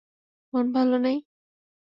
মন ভালো নেই?